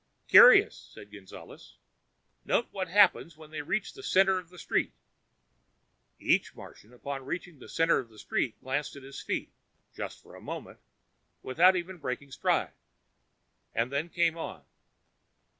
"Curious," said Gonzales. "Note what happens when they reach the center of the street." Each Martian, upon reaching the center of the street, glanced at his feet just for a moment without even breaking stride. And then came on.